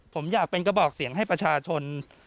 ผมอยากเป็นกระบอกเสียงให้ประชาชน